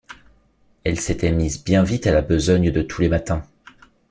Elle s’était mise bien vite à la besogne de tous les matins.